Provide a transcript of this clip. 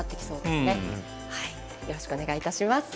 よろしくお願いします。